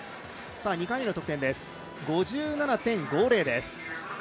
２回目の得点は５７．５０です。